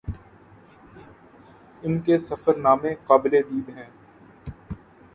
ان کے سفر نامے قابل دید ہیں